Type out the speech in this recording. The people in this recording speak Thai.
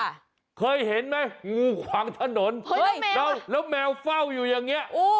เคยเห็นไหมงูขวางถนนเฮ้ยแล้วแล้วแมวเฝ้าอยู่อย่างเงี้โอ้